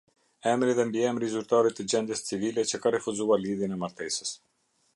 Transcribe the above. Emri dhe mbiemri i Zyrtarit të Gjendjes Civile që ka refuzuar lidhjen e martesës.